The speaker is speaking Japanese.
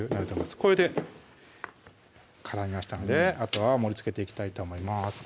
これで絡みましたのであとは盛りつけていきたいと思います